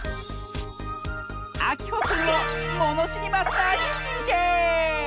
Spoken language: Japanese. あきほくんをものしりマスターににんてい！